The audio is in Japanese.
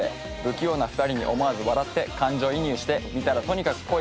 不器用な２人に思わず笑って感情移入して見たらとにかく恋がしたくなります。